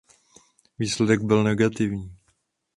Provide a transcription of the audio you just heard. Výsledek byl negativní.